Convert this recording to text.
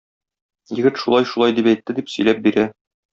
Егет шулай, шулай дип әйтте дип сөйләп бирә.